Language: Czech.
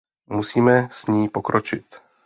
Musíme s ní pokročit.